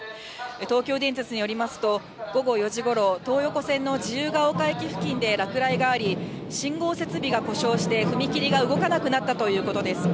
東急電鉄によりますと、午後４時ごろ、東横線の自由が丘駅付近で落雷があり、信号設備が故障して、踏切が動かなくなったということです。